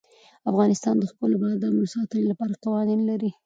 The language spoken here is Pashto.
افغانستان د خپلو بادامو د ساتنې لپاره قوانین لري.